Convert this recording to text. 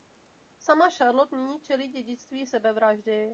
Sama Charlotte nyní čelí dědictví sebevraždy.